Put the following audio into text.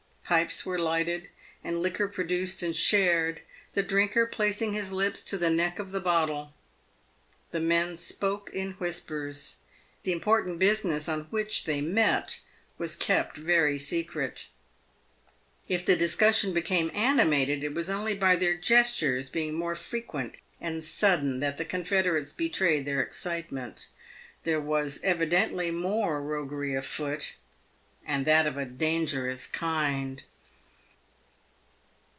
Pipes were lighted, and liquor produced and shared, the drinker placing his lips to the neck of the Dottle. The men spoke in whispers. The important business on which they met was kept very secret. If the discussion became animated, it was only by their gestures being more frequent and sudden that the confederates betrayed their excitement. There was evidently more roguery afoot, and that of a dangerous kind.